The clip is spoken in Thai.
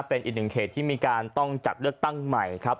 เป็นอีกหนึ่งเขตที่มีการต้องจัดเลือกตั้งใหม่ครับ